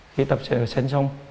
khi tập sân xong